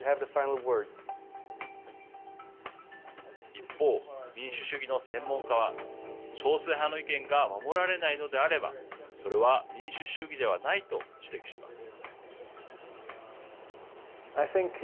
一方、民主主義の専門家は少数派の意見が守られないのであればそれは、民主主義ではないと指摘します。